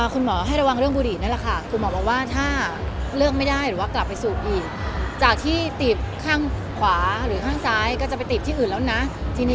คุณหมอยังต้องให้ระวังอะไรเป็นพิเศษที่ป่วยไปก่อนหน้านี้ได้ไหม